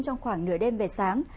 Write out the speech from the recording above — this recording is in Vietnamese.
trong khoảng nửa đêm về sáng